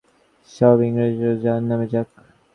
সব ইংরেজরা জাহান্নামে যাক!